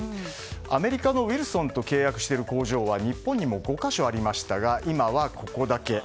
アメリカのウィルソンと契約している工場は日本にも５か所ありましたが今はここだけ。